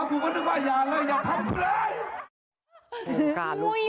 กูก็นึกว่าอย่าเลยอย่าทำกูเลย